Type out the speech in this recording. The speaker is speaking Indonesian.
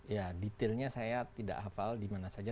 ya detailnya saya tidak hafal di mana saja